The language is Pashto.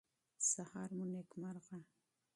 سهار مو نیکمرغه